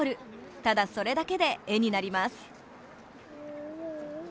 ただそれだけで絵になります。